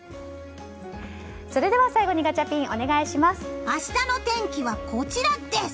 それでは最後にガチャピン明日の天気はこちらです。